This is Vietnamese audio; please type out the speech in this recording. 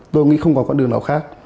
tôi nghĩ không còn con đường nào khác